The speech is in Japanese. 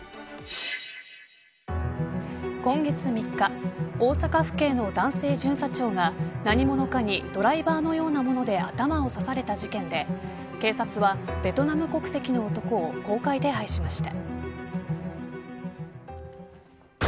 今月３日大阪府警の男性巡査長が何者かにドライバーのような物で頭を刺された事件で警察はベトナム国籍の男を公開手配しました。